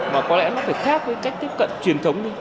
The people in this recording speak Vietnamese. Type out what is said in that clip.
mà có lẽ nó phải khác với cách tiếp cận truyền thống đi